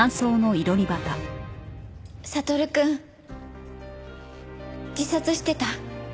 悟くん自殺してた。